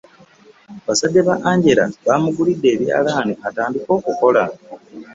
Bazadde ba Angella bamugulidde ebyalaani atandike okukola.